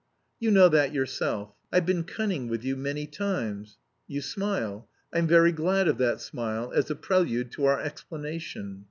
"You know that yourself. I've been cunning with you many times... you smile; I'm very glad of that smile as a prelude to our explanation.